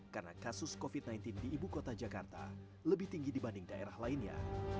karena kasus covid sembilan belas di ibu kota jakarta lebih tinggi dibanding daerah lainnya